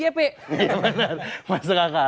iya benar mas kakar